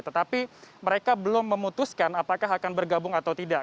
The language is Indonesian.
tetapi mereka belum memutuskan apakah akan bergabung atau tidak